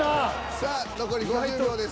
さあ残り５０秒です。